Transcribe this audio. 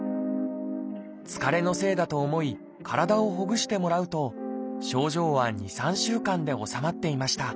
疲れのせいだと思い体をほぐしてもらうと症状は２３週間で治まっていました。